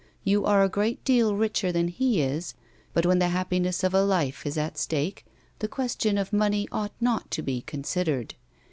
You are a great deal richer than he is, but when the happiness of a life is at stake tlie question of money ought not to be considered.